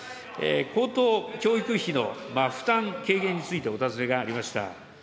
高等教育費の負担軽減についてお尋ねがありました。